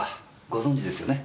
ご存じですよね？